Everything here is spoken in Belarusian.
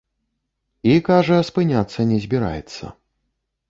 І, кажа, спыняцца не збіраецца.